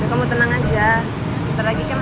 gak apa felgedah dibawa